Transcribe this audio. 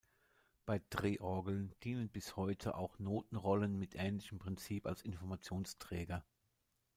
Bei Drehorgeln dienen bis heute auch Notenrollen mit ähnlichem Prinzip als Informationsträger.